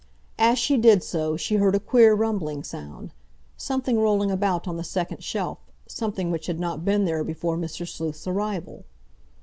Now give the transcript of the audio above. As she did so, she heard a queer rumbling sound,—something rolling about on the second shelf, something which had not been there before Mr. Sleuth's arrival.